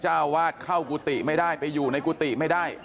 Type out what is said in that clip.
เจ้าวาดเข้ากุฏิไม่ได้ไปอยู่ในกุฏิไม่ได้